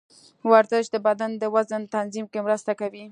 ورزش د بدن د وزن تنظیم کې مرسته کوي.